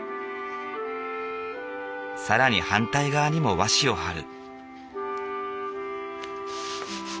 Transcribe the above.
更に反対側にも和紙をはる。